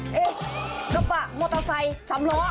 เอ๊ะกระบะมอเตอร์ไซค์๓ล้อ